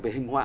về hình họa